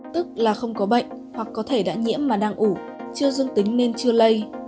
tức là không có bệnh hoặc có thể đã nhiễm mà đang ủ chưa dương tính nên chưa lây